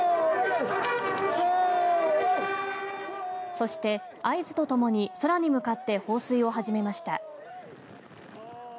そして合図とともに空に向かって放水を始めました。